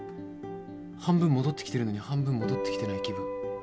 半分戻ってきてるのに半分戻ってきてない気分。